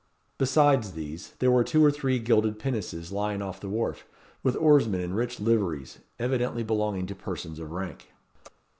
Besides these, there were two or three gilded pinnaces lying off the wharf, with oarsmen in rich liveries, evidently belonging to persons of rank.